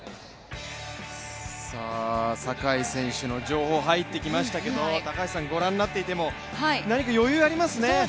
坂井選手の情報入ってきましたけど、高橋さんご覧になっていても何か余裕がありますね。